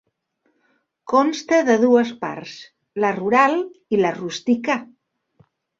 Consta de dues parts: la rural i la rústica.